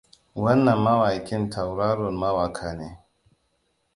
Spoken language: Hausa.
Wannan mawaƙin tauraron mawaƙa ne.